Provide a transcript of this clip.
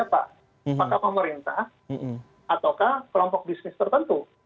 apakah pemerintah ataukah kelompok bisnis tertentu